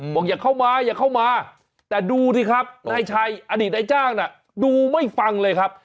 บอกอย่าเข้ามาอย่าเข้ามาแต่ดูสิครับนายชัยอดีตนายจ้างน่ะดูไม่ฟังเลยครับ